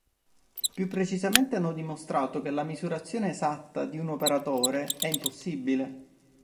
Più precisamente hanno dimostrato che la misurazione esatta di un operatore è impossibile.